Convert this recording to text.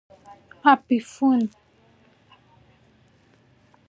ابي فنون